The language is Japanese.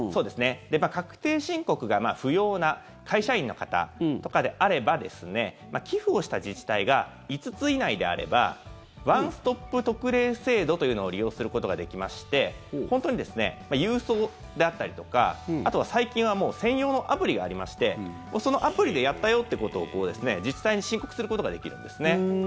確定申告が不要な会社員の方とかであれば寄付をした自治体が５つ以内であればワンストップ特例制度というのを利用することができまして本当に郵送であったりとかあとは最近はもう専用のアプリがありましてそのアプリでやったよってことを自治体に申告することができるんですね。